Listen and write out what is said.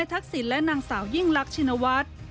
ทักษิณและนางสาวยิ่งรักชินวัฒน์